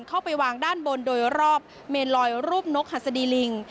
เข้าไปวางด้านบนโดยรอบเมนลอยรูปนกหัสดีลิง